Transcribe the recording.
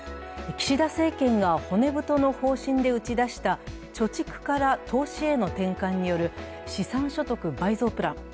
岸田政権が骨太の方針で打ち出した貯蓄から投資への転換による資産所得倍増プラン。